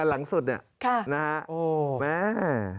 อันหลังสุดนี่นะฮะมา